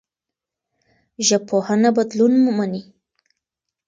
ژبپوهنه بدلون مني.